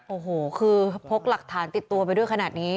โอ้โหคือพกหลักฐานติดตัวไปด้วยขนาดนี้